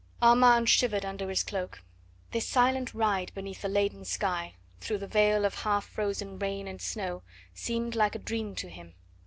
Armand shivered under his cloak. This silent ride beneath the leaden sky, through the veil of half frozen rain and snow, seemed like a dream to him.